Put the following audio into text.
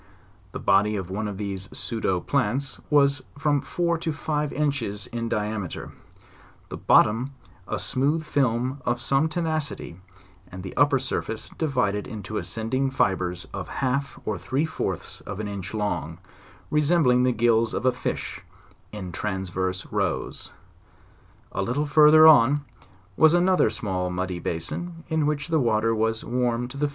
The body of one of these pseudo plants was from four to five inches in diameter; the bottom a smooth film of some tenacity and the upper surface divided mto ascending fibres of half or three fourths of an inch long, resembling the gills of a fish, in transverse rows. A little further on was another small muddy basin, in which the water was warm to the.